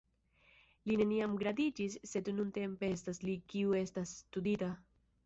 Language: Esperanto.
Li neniam gradiĝis, sed nuntempe estas li kiu estas studita.